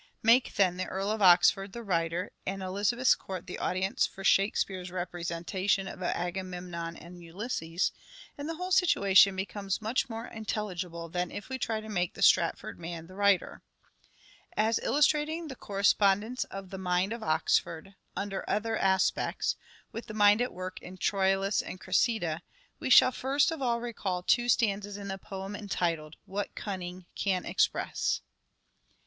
Make, then, the Earl of Oxford the writer, and Elizabeth's court the audience for " Shakespeare's" representation of " Agamemnon and Ulysses," and the whole situation becomes much more intelligible than if we try to make the Stratford man the writer. Dying lovers. As illustrating the correspondence of the mind of Oxford, under other aspects, with the mind at work in " Troilus and Cressida," we shall first of all recall two stanzas in the poem entitled, " What cunning can express